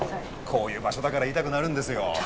こういう場所だから言いたくなるんですよ。